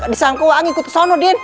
disangkul waang ikut kesana din